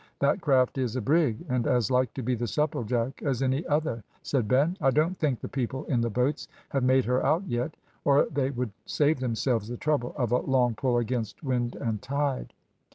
That craft is a brig, and as like to be the Supplejack as any other," said Ben. "I don't think the people in the boats have made her out yet, or they would save themselves the trouble of a long pull against wind and tide."